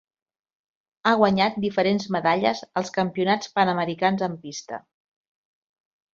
Ha guanyat diferents medalles als Campionats Panamericans en pista.